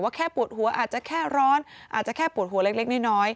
แค่ปวดหัวอาจจะแค่ร้อนอาจจะแค่ปวดหัวเล็กน้อย